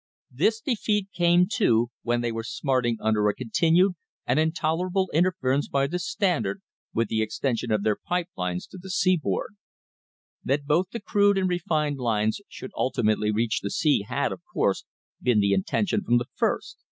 This defeat came, too, when they were smarting under a con THE HISTORY OF THE STANDARD OIL COMPANY tinued and intolerable interference by the Standard with the extension of their pipe lines to the seaboard. That both the crude and refined lines should ultimately reach the sea had, of course, been the intention from the first.